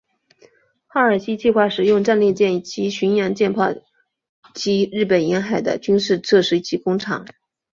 哈尔西计划使用战列舰及巡洋舰炮击日本沿海的军事设施及工厂。